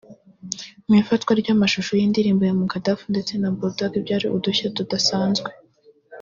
Mu ifatwa ry’amashusho y’ indirimbo ya Mukadaff ndetse na Bul Dog byari udushya tudasanzwe